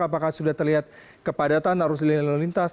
apakah sudah terlihat kepadatan arus lintas